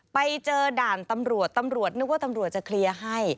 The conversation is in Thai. ไปเจอด่านตำรวจตำรวจนึกว่าตำรวจจะเคลียร์ให้